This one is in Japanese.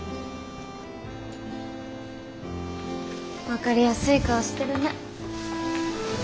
分かりやすい顔してるね。